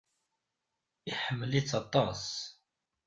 Iḥemmel-itt aṭas.